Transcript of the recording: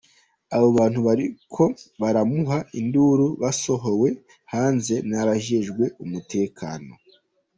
Abo bantu bariko baramuha induru basohowe hanze n’abajejwe umutekano.